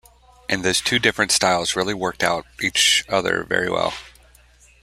And those two different styles really worked out each other, very well.